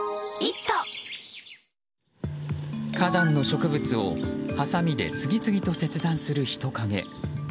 花壇の植物をはさみで次々と切断する人影。